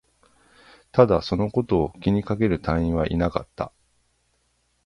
ただ、そのことを気にかける隊員はいなかった